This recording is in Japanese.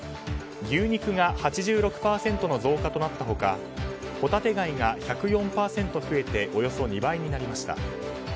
牛肉が８６％の増加となった他ホタテ貝が１０４％増えておよそ２倍になりました。